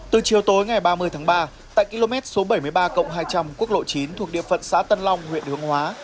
từ chiều tối ngày ba mươi tháng ba tại km bảy mươi ba hai trăm linh quốc lộ chín thuộc địa phận xã tân long huyện hương hóa